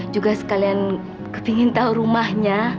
juga sekalian ingin tahu rumahnya